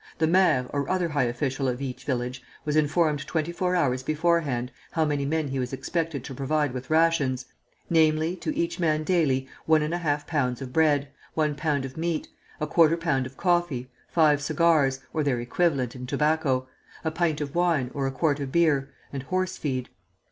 The maire or other high official of each village was informed twenty four hours beforehand how many men he was expected to provide with rations; namely, to each man daily, 1 1/2 lb. bread, 1 lb. Meat, 1/4 lb. coffee, five cigars, or their equivalent in tobacco, a pint of wine or a quart of beer, and horse feed.